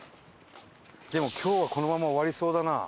でも今日はこのまま終わりそうだな。